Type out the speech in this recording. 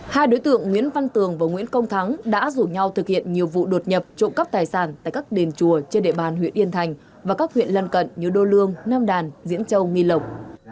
hai đối tượng nguyễn văn tường và nguyễn công thắng đã rủ nhau thực hiện nhiều vụ đột nhập trộm cắp tài sản tại các đền chùa trên địa bàn huyện yên thành và các huyện lân cận như đô lương nam đàn diễn châu nghi lộc